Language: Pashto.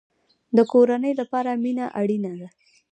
د کورنۍ لپاره مینه اړین ده